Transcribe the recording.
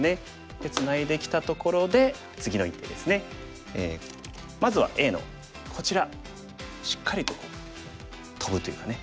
でツナいできたところで次の一手ですね。まずはＡのこちらしっかりとトブというかね。